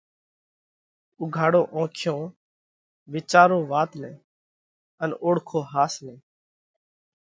اُوگھاڙو اونکيون، وِيچارو وات نئہ ان اوۯکو ۿاس نئہ!